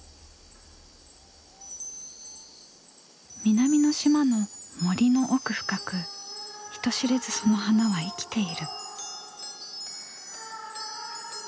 南の島の森の奥深く人知れずその花は生きている。